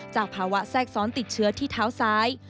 จากภาวะแทรกซ้อนติดเชื้อที่เท้าซ้าย